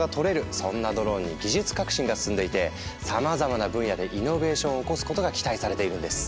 そんなドローンに技術革新が進んでいてさまざまな分野でイノベーションを起こすことが期待されているんです。